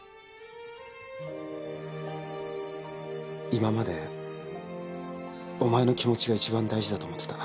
今までお前の気持ちが一番大事だと思ってた。